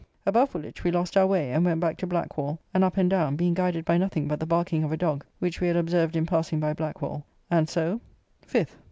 Above Woolwich we lost our way, and went back to Blackwall, and up and down, being guided by nothing but the barking of a dog, which we had observed in passing by Blackwall, and so, 5th.